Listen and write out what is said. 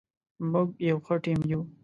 موږ یو ښه ټیم یو.